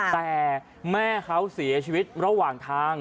แต่แม่เขาเสียชีวิตระหว่างทาง